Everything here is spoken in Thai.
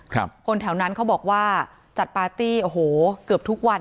คนแถวนั้นเขาบอกว่าจัดปาร์ตี้โอ้โหเกือบทุกวัน